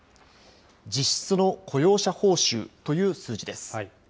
実質の雇用者報酬という数字です。